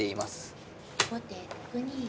後手６二玉。